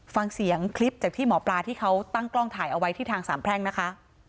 ฟังเสียงคลิปจากที่หมอปลาที่เขาตั้งกล้องถ่ายเอาไว้ที่ทางสามแพร่งนะคะ